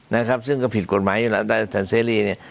นะครับซึ่งก็ผิดกฎหมายอยู่แล้วแต่อาจารย์เสรีเนี่ย